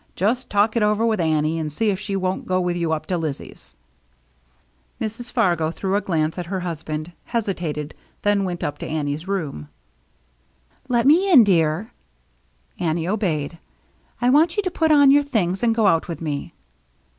Just talk it over with Annie, and see if she won't go with you up to Lizzie's." Mrs. Fargo threw a glance at her husband, hesitated, then went up to Annie's room. 1 88 THE MERRY ANNE " Let me in, dear." Annie obeyed. " I want you to put on your things and go out with me."